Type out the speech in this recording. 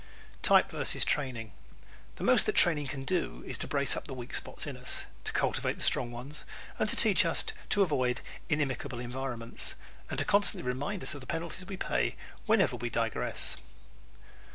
Type vs. Training ¶ The most that training can do is to brace up the weak spots in us; to cultivate the strong ones; to teach us to avoid inimical environments; and to constantly remind us of the penalties we pay whenever we digress.